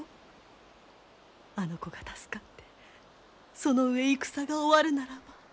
あの子が助かってその上戦が終わるならば。